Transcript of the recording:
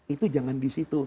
itu jangan disitu